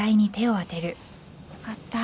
よかった。